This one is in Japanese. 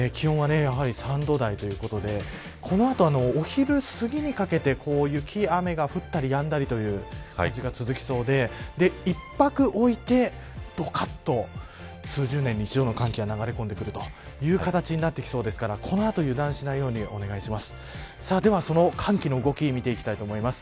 気温は、やはり３度台でこの後、お昼すぎにかけて雪、雨が降ったりやんだりということが続きそうで一拍おいて、どかっと数十年に一度の寒気が流れ込んでくるという形になってきそうですからこの後、油断しないようにお願いします。